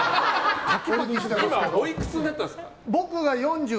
今、おいくつになったんですか。